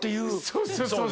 そうです。